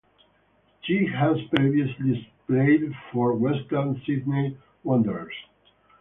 She has previously played for Western Sydney Wanderers.